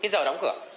giờ đóng cửa